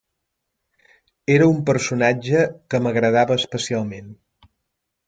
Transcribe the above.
Era un personatge que m'agradava especialment.